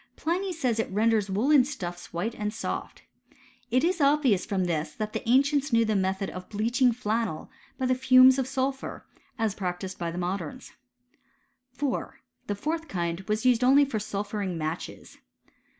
Pliny says, it renders woollen stuffs white and soft. It is obvious from this, that the ancients knew the method of bleaching flannel by the fumes of sulphur, as practised by the modems. 4. The fourth kind was used only for sulphuring matches.